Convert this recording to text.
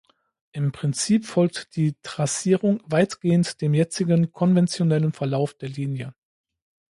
Im Prinzip folgt die Trassierung weitgehend dem jetzigen konventionellen Verlauf der Linie.